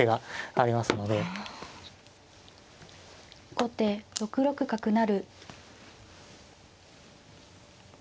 後手６六角成。